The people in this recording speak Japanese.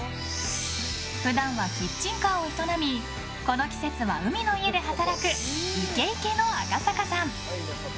普段はキッチンカーを営みこの季節は海の家で働くイケイケの赤坂さん。